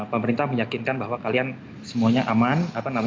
pemerintah meyakinkan bahwa kalian semuanya aman